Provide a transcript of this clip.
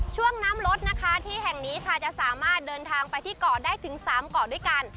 ช่วงน้ำลดนะคะที่แห่งนี้ค่ะจะสามารถเดินทางไปที่เกาะได้ถึง๓เกาะด้วยกัน